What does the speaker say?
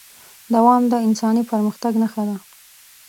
دوام د انساني پرمختګ نښه ده.